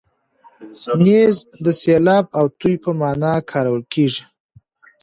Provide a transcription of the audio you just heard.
نیز د سیلاب او توی په مانا کارول کېږي.